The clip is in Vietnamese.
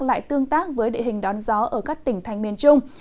lại tương tác với địa hình đón gió ở các tỉnh thành miền trung